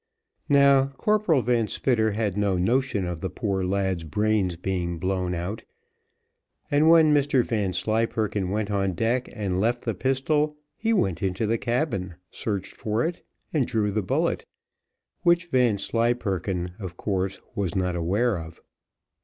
Now Corporal Van Spitter had no notion of the poor lad's brains being blown out, and when Mr Vanslyperken went on deck and left the pistol, he went into the cabin, searched for it, and drew the bullet, which Vanslyperken, of course, was not aware of.